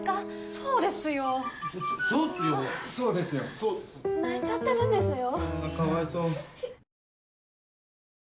そうっす泣いちゃってるんですよ